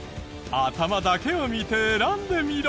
頭だけを見て選んでみろ。